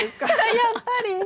やっぱり？